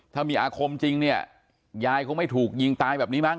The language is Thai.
ถ้ามีอาคมจริงเนี่ยยายคงไม่ถูกยิงตายแบบนี้มั้